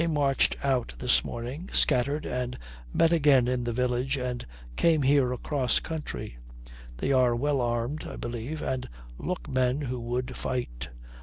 They marched out this morning, scattered, and met again in the village and came here across country. They are well armed, I believe, and look men who would fight."